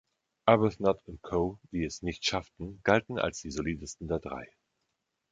Arbuthnot und Co., die es nicht schafften, galten als die solidesten der drei.